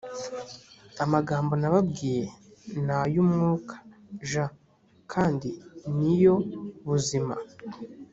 amagambo nababwiye ni ay umwuka j kandi ni yo buzima